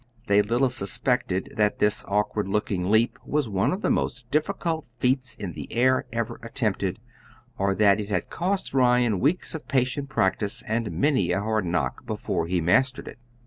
They little suspected that this awkward looking leap was one of the most difficult feats in the air ever attempted, or that it had cost Ryan weeks of patient practice and many a hard knock before he mastered it.